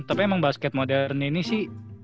tapi emang basket modernnya ini sih